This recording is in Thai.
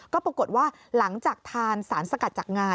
ก็ปรากฏว่าหลังจากทานสารสกัดจากงา